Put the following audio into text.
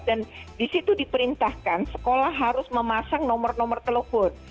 dan di situ diperintahkan sekolah harus memasang nomor nomor telepon